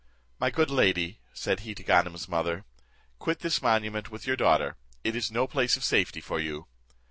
"My good lady," said he to Ganem's mother, "quit this monument with your daughter, it is no place of safety for you."